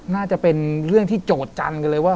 น่าจะเป็นเรื่องที่โจทย์จันทร์กันเลยว่า